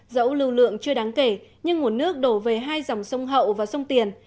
dẫu lưu lượng chưa đáng kể nhưng nguồn nước đổ về hai dòng sông hậu và sông tiền